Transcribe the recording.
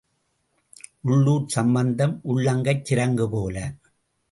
உள்ளூர்ச் சம்பந்தம் உள்ளங்கைச் சிரங்கு போல.